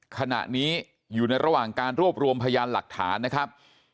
ขณะนี้อยู่ในระหว่างการรวบรวมพยานหลักฐานนะครับ